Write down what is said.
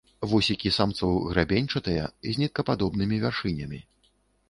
Вусікі самцоў грабеньчатыя, з ніткападобнымі вяршынямі.